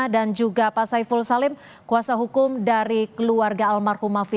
dan juga pak saiful salim kuasa hukum dari keluarga almarhum mafi